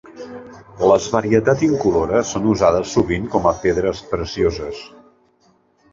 Les varietats incolores són usades sovint com a pedres precioses.